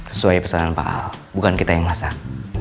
sesuai pesanan pak al bukan kita yang masak